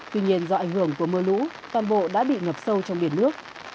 tuy nhiên do ảnh hưởng của mưa lũ toàn bộ đã bị ngập sâu trong biển nước